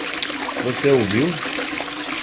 Você o viu?